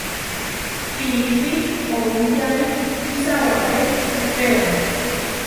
Piipi owítiame kisáware ehpéo.